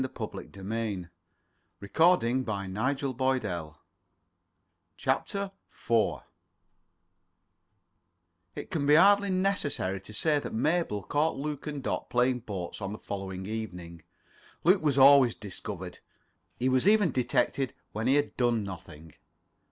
This has never been done be—— 4 [Pg 18 19] CHAPTER IV It can be hardly necessary to say that Mabel caught Luke and Dot playing boats on the following evening. Luke was always discovered. He was even detected when he had done nothing.